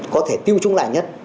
có thể tiêu chúng lại nhất